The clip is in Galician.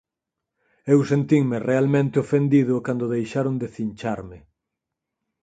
Eu sentinme realmente ofendido cando deixaron de cincharme.